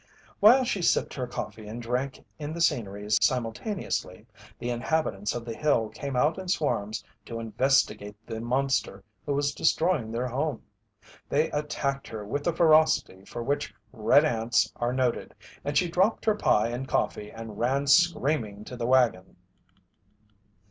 While she sipped her coffee and drank in the scenery simultaneously, the inhabitants of the hill came out in swarms to investigate the monster who was destroying their home. They attacked her with the ferocity for which red ants are noted, and she dropped her pie and coffee and ran screaming to the wagon.